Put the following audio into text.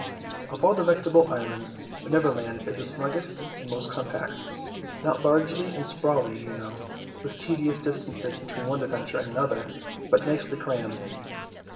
Of all delectable islands the Neverland is the snuggest and most compact, not large and sprawly, you know, with tedious distances between one adventure and another, but nicely crammed.